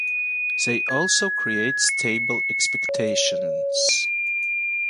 They also create stable expectations.